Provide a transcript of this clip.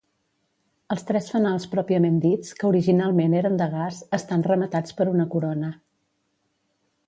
Els tres fanals pròpiament dits, que originalment eren de gas, estan rematats per una corona.